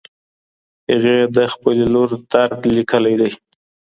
هغې د خپلې لور درد لیکلی دی.